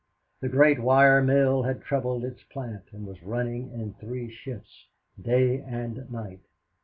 The great wire mill had trebled its plant and was running in three shifts, day and night.